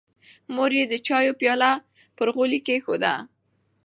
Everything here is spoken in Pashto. مور یې د چایو پیاله پر غولي کېښوده.